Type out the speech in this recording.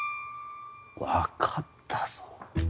分かったぞ。